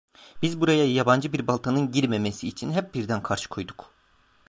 Biz buraya yabancı bir baltanın girmemesi için hep birden karşı koyduk.